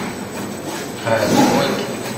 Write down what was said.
Qeɛdem waki.